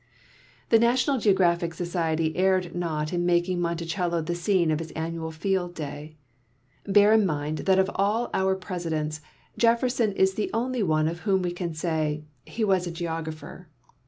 The National Geographic Society erred not in making ]\Ionti cello the scene of its annual field day. Bear in mind that of all our Presidents Jefferson is the only one of whom we can .say, " He was a geographer."